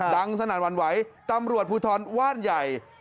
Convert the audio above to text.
ดังสนานวรรณไหวตำรวจภูทรว่านใหญ่